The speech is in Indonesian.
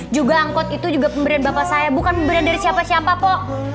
juga angkot itu juga pemberian bapak saya bukan pemberian dari siapa siapa pak